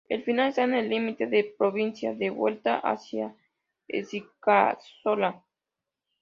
El final está en el límite de provincia de Huelva hacia Encinasola.